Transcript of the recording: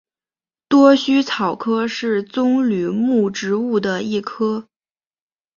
多须草科是棕榈目植物的一科。